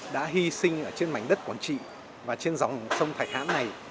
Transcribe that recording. đã hy sinh ở trên mảnh đất quảng trị và trên dòng sông thạch hãm này